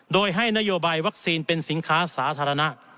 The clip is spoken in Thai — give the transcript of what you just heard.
โดยให้นโยบายวัคซีนเป็นสินค้าสาธารณะ